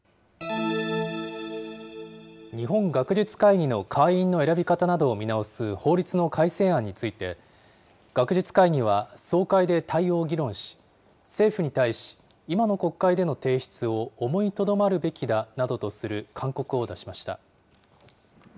日本学術会議の会員の選び方などを見直す法律の改正案について、学術会議は総会で対応を議論し、政府に対し、今の国会での提出を思いとどまるべきだなどとする勧告を出しました。